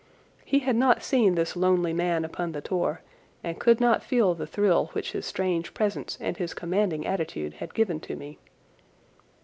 He had not seen this lonely man upon the tor and could not feel the thrill which his strange presence and his commanding attitude had given to me.